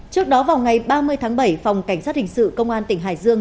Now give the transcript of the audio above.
trước đó vào ngày ba mươi tháng bảy phòng cảnh sát hình sự công an tỉnh hải dương